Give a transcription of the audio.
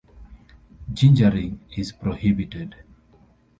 Gingering is prohibited.